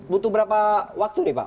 butuh berapa waktu nih pak